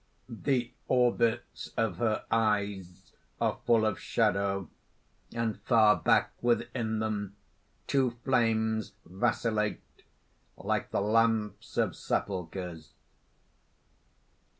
The orbits of her eyes are full of shadow; and far back within them two flames vacillate, like the lamps of sepulchres.